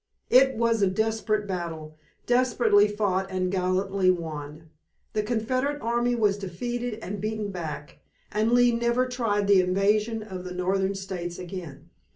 It was a desperate battle, desperately fought and gallantly won. The Confederate army was defeated and beaten back, and Lee never tried the invasion of the Northern States again.